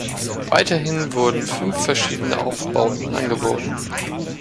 Weiterhin wurden fünf verschiedene Aufbauten angeboten.